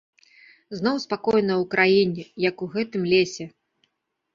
Зноў спакойна ў краіне, як у гэтым лесе.